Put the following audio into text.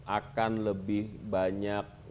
akan lebih banyak